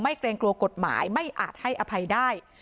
เกรงกลัวกฎหมายไม่อาจให้อภัยได้